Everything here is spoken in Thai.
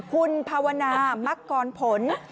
คุณภาวนามักกรผล